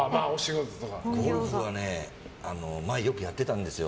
ゴルフは前よくやってたんですよ。